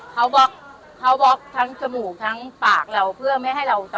เขาบล็อกทั้งจมูกทั้งปากเราเพื่อไม่ให้เราตะโกน